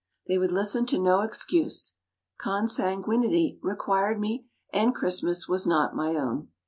They would listen to no excuse; consanguinity required me, and Christmas was not my own.